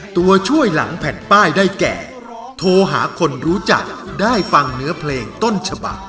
ตัวช่วยหลังแผ่นป้ายได้แก่โทรหาคนรู้จักได้ฟังเนื้อเพลงต้นฉบัก